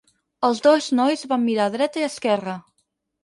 Els dos nois van mirar a dreta i esquerra.